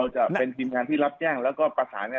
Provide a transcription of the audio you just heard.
จะเป็นทีมงานที่รับแจ้งและประสาน